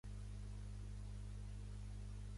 Saber més que Sagasta.